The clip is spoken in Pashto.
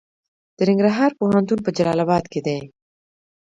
د ننګرهار پوهنتون په جلال اباد کې دی